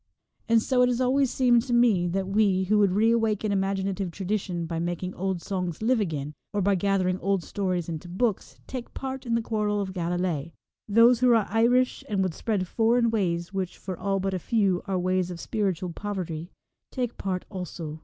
And so it has always seemed to me that 233 we, who would re awaken imaginative tradition by making old songs live again, or by gathering old stories into books, take part in the quarrel of Galilee. Those who are Irish and would spread foreign ways, which, for all but a few, are ways of spiritual poverty, take part also.